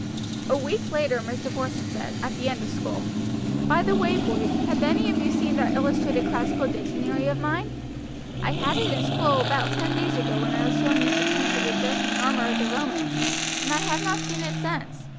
A week later Mr. Porson said, at the end of school: "By the way, boys, have any of you seen that illustrated classical dictionary of mine? I had it in school about ten days ago when I was showing you the prints of the dress and armor of the Romans, and I have not seen it since.